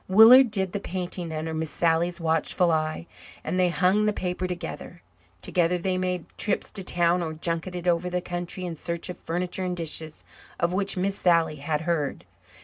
Willard did the painting under Miss Sally's watchful eye, and they hung the paper together. Together they made trips to town or junketed over the country in search of furniture and dishes of which Miss Sally had heard.